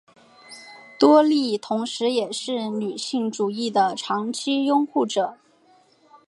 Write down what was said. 多莉同时也是女性主义的长期拥护者。